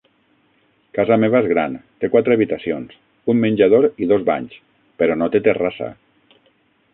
Casa meva és gran, té quatre habitacions, un menjador i dos banys, però no té terrassa.